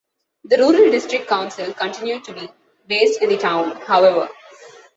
The Rural District Council continued to be based in the town, however.